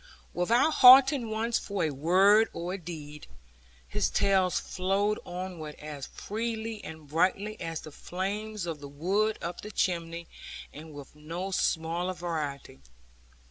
Without halting once for a word or a deed, his tales flowed onward as freely and brightly as the flames of the wood up the chimney, and with no smaller variety.